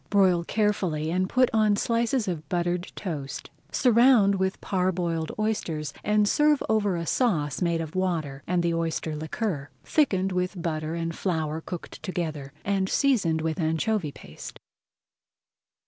Broil carefully and put on slices of buttered toast. Surround with parboiled oysters and pour over a sauce made of water and the oyster liquor, thickened with butter and flour cooked together, and seasoned with anchovy paste.